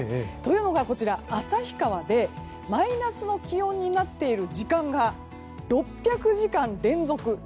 というのが、旭川でマイナスの気温になっている時間が６００時間連続。